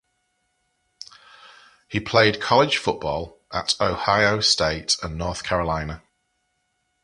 He played college football at Ohio State and North Carolina.